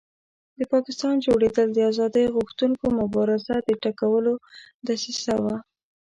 د پاکستان جوړېدل د آزادۍ غوښتونکو مبارزو د ټکولو دسیسه وه.